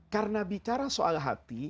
karena bicara soal hati